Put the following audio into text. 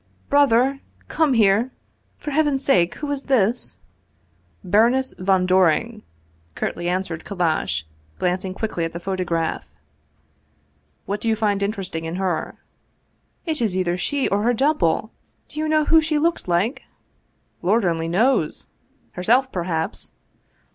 " Brother, come here ; for heaven's sake, who is this ?"" Baroness von Doring," curtly answered Kallash, glanc ing quickly at the photograph. " What do you find interest ing in her ?"" It is either she or her double ! Do you know who she looks like?" " Lord only knows ! Herself, perhaps